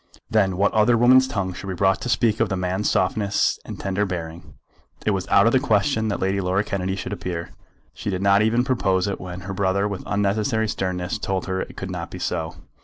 Then what other woman's tongue should be brought to speak of the man's softness and tender bearing! It was out of the question that Lady Laura Kennedy should appear. She did not even propose it when her brother with unnecessary sternness told her it could not be so.